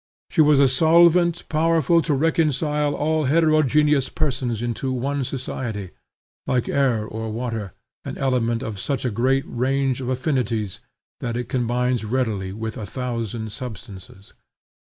She was a solvent powerful to reconcile all heterogeneous persons into one society: like air or water, an element of such a great range of affinities that it combines readily with a thousand substances.